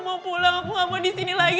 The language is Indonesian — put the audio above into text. ma aku mau pulang aku gak mau disini lagi